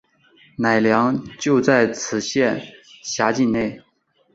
乃良就在此县辖境内。